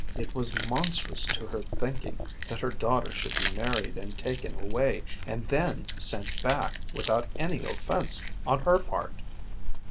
It was monstrous to her thinking that her daughter should be married and taken away, and then sent back, without any offence on her part.